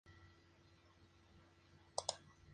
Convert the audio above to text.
Entre muchas otras.